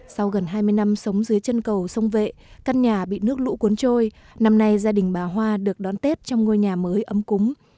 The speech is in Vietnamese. sau gần hai mươi năm sống dưới chân cầu sông vệ căn nhà bị nước lũ cuốn trôi năm nay gia đình bà hoa được đón tết trong ngôi nhà mới ấm cúng